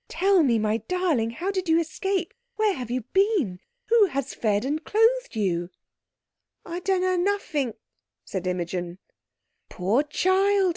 Tell me, my darling, how did you escape? Where have you been? Who has fed and clothed you?" "I don't know nothink," said Imogen. "Poor child!"